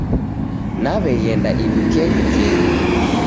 Naw'eghenda idukenyi kedu.